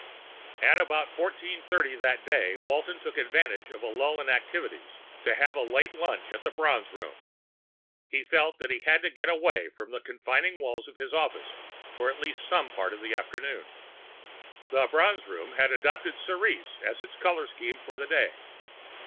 At about 1430 that day, Walton took advantage of a lull in activities to have a late lunch at the Bronze Room. He felt that he had to get away from the confining walls of his office for at least some part of the afternoon. The Bronze Room had adopted cerise as its color scheme for the day.